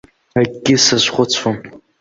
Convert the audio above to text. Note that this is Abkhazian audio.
Акгьы сазхәыцуам.